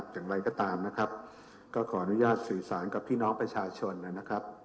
อย่างไรก็ตามก็ขออนุญาตสื่อสารกับพี่น้องประชาชน